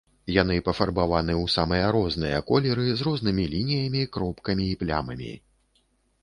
Яны пафарбаваны ў самыя розныя колеры з рознымі лініямі, кропкамі і плямамі.